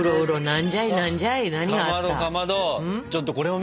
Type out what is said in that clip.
何？